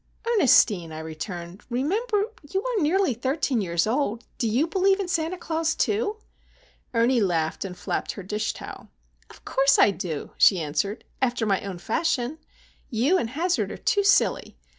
"Ernestine," I returned, "remember,—you are nearly thirteen years old! Do you believe in Santa Claus, too?" Ernie laughed and flapped her dish towel. "Of course I do," she answered, "after my own fashion. You and Hazard are too silly!